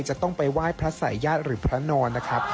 จะต้องไปไหว้พระสายญาติหรือพระนอนนะครับ